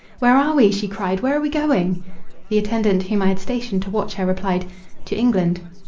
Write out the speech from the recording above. —"Where are we?" she cried, "where are we going?"— The attendant whom I had stationed to watch her, replied, "to England."